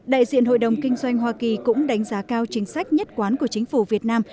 đại diện hội đồng kinh doanh hoa kỳ cũng đánh giá cao chính sách nhất quán của chính phủ việt nam